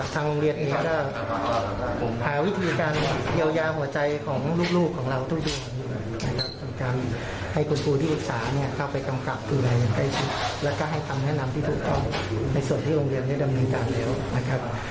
สาเหตุที่น้องกลับบ้านเย็นก็คือน้องมีกิจกรรมที่ต้องสอบ